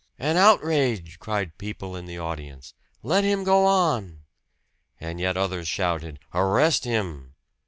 "An outrage!" cried people in the audience. "Let him go on!" And yet others shouted, "Arrest him!"